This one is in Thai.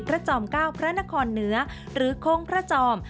จอม๙พระนครเหนือหรือโค้งพระจอม